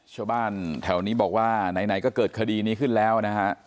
ชาวบ้านแถวนี้บอกว่าไหนก็เกิดคดีนี้ขึ้นแล้วนะฮะ